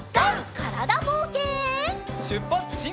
からだぼうけん。